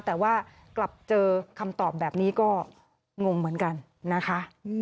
แต่ว่ากลับเจอคำตอบแบบนี้ก็งงเหมือนกันนะคะ